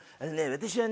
私はね